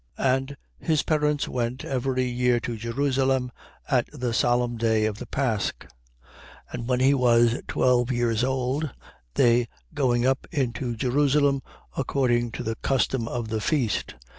2:41. And his parents went every year to Jerusalem, at the solemn day of the pasch. 2:42. And when he was twelve years old, they going up into Jerusalem, according to the custom of the feast, 2:43.